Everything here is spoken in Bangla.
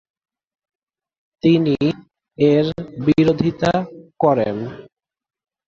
তিনি এর বিরোধিতা করেন।